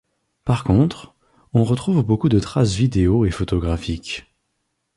Par contre, on retrouve beaucoup de traces vidéo et photographiques.